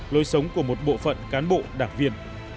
lối sống của một bộ phận cán bộ đảng viên